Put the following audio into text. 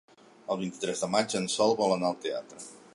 El vint-i-tres de maig en Sol vol anar al teatre.